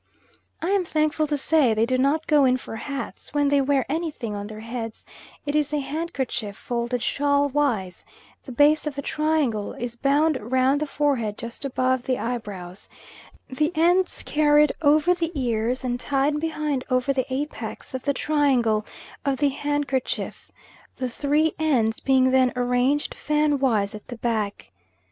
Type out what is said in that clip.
I am thankful to say they do not go in for hats; when they wear anything on their heads it is a handkerchief folded shawl wise; the base of the triangle is bound round the forehead just above the eyebrows, the ends carried round over the ears and tied behind over the apex of the triangle of the handkerchief, the three ends being then arranged fan wise at the back.